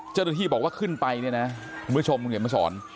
เจ้าหน้าที่บอกว่าขึ้นไปคุณผู้ชมเห็นมันสอน